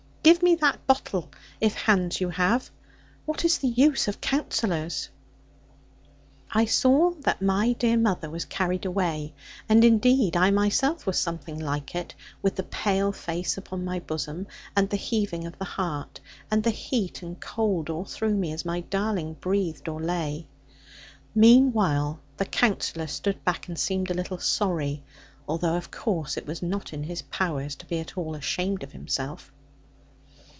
Give me that bottle, if hands you have; what is the use of Counsellors?' I saw that dear mother was carried away; and indeed I myself was something like it; with the pale face upon my bosom, and the heaving of the heart, and the heat and cold all through me, as my darling breathed or lay. Meanwhile the Counsellor stood back, and seemed a little sorry; although of course it was not in his power to be at all ashamed of himself.